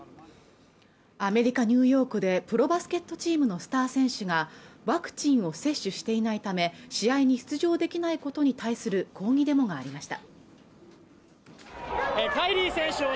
アメリカニューヨークでプロバスケットチームのスター選手がワクチンを接種していないため試合に出場できないことに対する抗議デモがありました